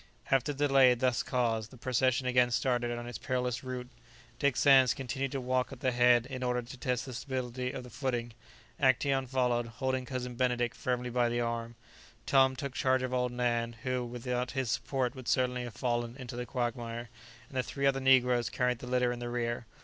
After the delay thus caused, the procession again started on its perilous route. Dick Sands continued to walk at the head, in order to test the stability of the footing; Action followed, holding Cousin Benedict firmly by the arm; Tom took charge of old Nan, who without his support would certainly have fallen into the quagmire; and the three other negroes carried the litter in the rear.